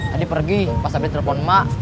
tadi pergi pas abis telepon emak